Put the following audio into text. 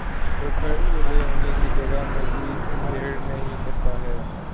وہ کھڑے ہونے کی جگہ پر مزید بھیڑ نہیں کرتا ہے